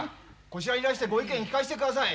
こちらにいらしてご意見聞かせてください。